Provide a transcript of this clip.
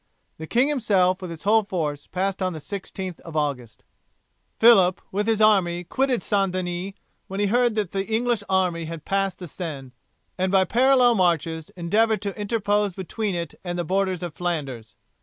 The king himself with his whole force passed on the 16th of August. Phillip, with his army, quitted St. Denis, when he heard that the English army had passed the Seine, and by parallel marches endeavoured to interpose between it and the borders of Flanders.